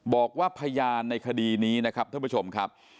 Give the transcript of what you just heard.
บอกว่าพยานในคดีนี้นะครับท่านผู้ชมครับ